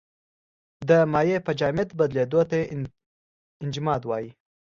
د مایع په جامد بدلیدو ته انجماد وايي.